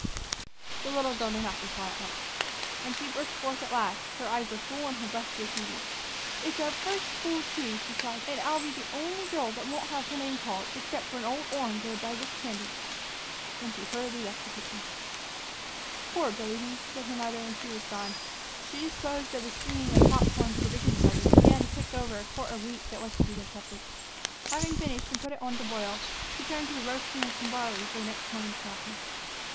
The little girl did not reply at once. When she burst forth at last, her eyes were full and her breast was heaving. "It's our first school tree," she cried; "and here I'll be the only girl that won't have her name called, except for an old orange or a bag of candy." Then she hurriedly left the kitchen. "Poor baby!" said her mother when she was gone. She disposed of the stringing of the pop corn to the biggest brother and began to pick over a quart of wheat that was to be their supper. Having finished and put it on to boil, she turned to the roasting of some barley for the next morning's coffee.